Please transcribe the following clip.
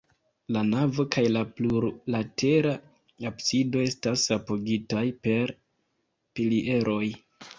La navo kaj la plurlatera absido estas apogitaj per pilieroj.